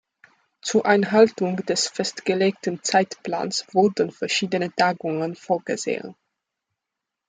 Zur Einhaltung des festgelegten Zeitplans wurden verschiedene Tagungen vorgesehen.